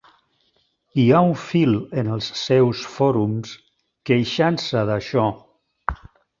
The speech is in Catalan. Hi ha un fil en els seus fòrums queixant-se d'això.